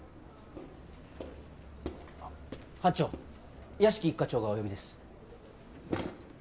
班長屋敷一課長がお呼びです。